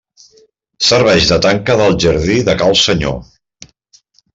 Serveix de tanca del jardí de Cal Senyor.